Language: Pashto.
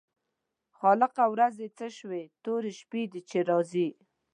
خالقه ورځې څه شوې تورې شپې دي چې راځي.